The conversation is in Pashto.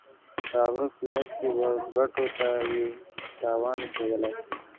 په هغه صورت کې به ګټو ته یې تاوان رسېدلی.